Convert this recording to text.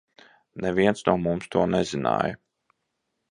Neviens no mums to nezināja.